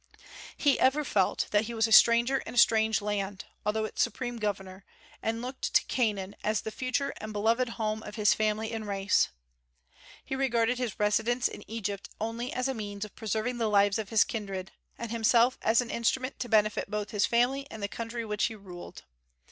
He ever felt that he was a stranger in a strange land, although its supreme governor, and looked to Canaan as the future and beloved home of his family and race. He regarded his residence in Egypt only as a means of preserving the lives of his kindred, and himself as an instrument to benefit both his family and the country which he ruled.